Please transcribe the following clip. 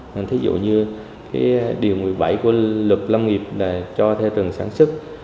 ví dụ như điều một mươi bảy của luật lâm nghiệp là cho thuê rừng sản xuất